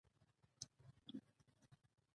د څښاک پاکې اوبه باید له فاضله اوبو بېلې وساتل سي.